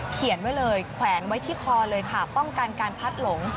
เขียนไว้เลยแขวนไว้ที่คอเลยค่ะป้องกันการพัดหลง